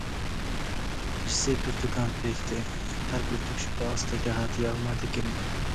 Ji sê pirtûkan pêk tê, her pirtûk ji bo astekê hatiye amadekirin.